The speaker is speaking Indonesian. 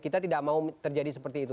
kita tidak mau terjadi seperti itu